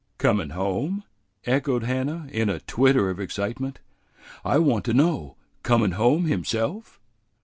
"Comin' home?" echoed Hannah, in a twitter of excitement. "I want to know! Comin' home himself?"